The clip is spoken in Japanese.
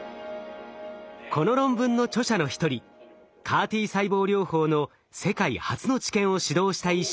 この論文の著者の一人ＣＡＲ−Ｔ細胞療法の世界初の治験を主導した医師